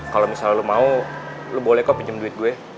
kalau misalnya lo mau lo boleh kok pinjam duit gue